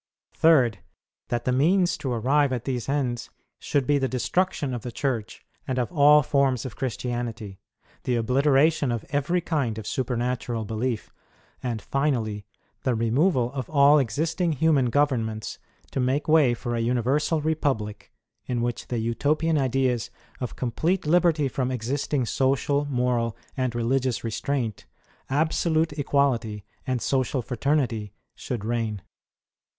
3°, That the means to arrive at these ends should be the destruction of the Church, and of all forms of Christianity; the obliteration of every kind of supernatural belief; and, finally, the removal of all existing human governments to make way for a universal republic in which the Utopian ideas of complete liberty from existing social, moral, and religious restraint, absolute equality, and social fraternity, should reign.